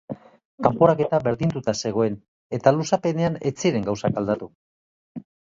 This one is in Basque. Kanporaketa berdinduta zegoen eta luzapenean ez ziren gauzak aldatu.